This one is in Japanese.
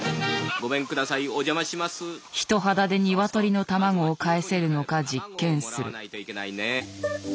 人肌で鶏の卵をかえせるのか実験する。